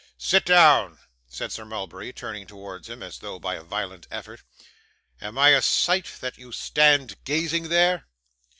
'Sit down,' said Sir Mulberry, turning towards him, as though by a violent effort. 'Am I a sight, that you stand gazing there?